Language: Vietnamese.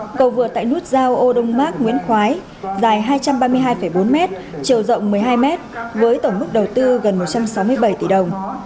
một trăm ba mươi hai bốn m chiều rộng một mươi hai m với tổng mức đầu tư gần một trăm sáu mươi bảy tỷ đồng